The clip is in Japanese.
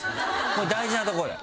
大事なとこよ